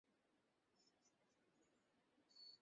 জীবনের শেষ বেলায় ঢুকেছি এই কাজে।